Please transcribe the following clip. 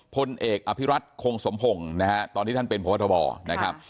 พลเอกอภิรัตโคงสมผงตอนนี้ท่านเป็นพศนะครับ